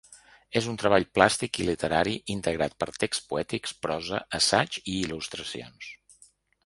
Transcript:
És un treball plàstic i literari integrat per texts poètics, prosa, assaig i il·lustracions.